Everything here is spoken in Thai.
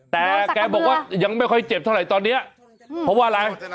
แต่แกบอกว่ายังไม่ค่อยเจ็บเท่าไหร่ตอนนี้เพราะว่าอะไร